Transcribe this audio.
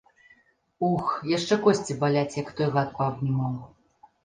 Ух, яшчэ косці баляць, як той гад паабнімаў!